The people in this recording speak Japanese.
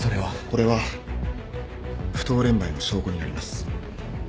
これは不当廉売の証拠になります。